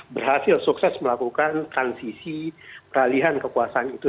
berhasil sukses melakukan transisi peralihan kekuasaan itu